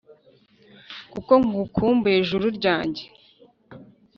kuko ngukumbuye juru ryanjye.